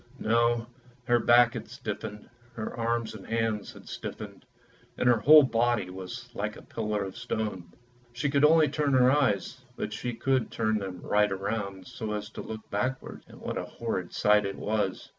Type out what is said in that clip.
No; her back had stiffened, her arms and hands had stiffened, and her whole body was like a pillar of stone. She could only turn her eyes, but she could turn them right round, so as to look backwards; and a horrid sight it was.